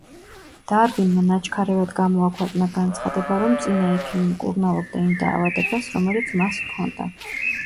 დარვინმა ნაჩქარევად გამოაქვეყნა განცხადება, რომ წინა ექიმი მკურნალობდა იმ დაავადებას, რომელიც მას არ ჰქონდა.